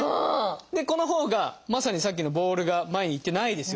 でこのほうがまさにさっきのボールが前にいってないですよね。